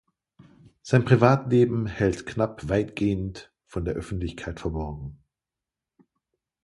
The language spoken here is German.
Sein Privatleben hält Knapp weitgehend von der Öffentlichkeit verborgen.